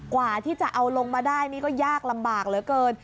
กว่าที่จะเอาลงมาได้นี่ก็ยากลำบากเหลือเกิน